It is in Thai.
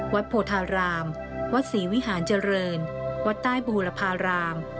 โพธารามวัดศรีวิหารเจริญวัดใต้บูรพาราม